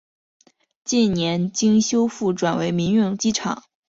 近年经修复转为民用机场。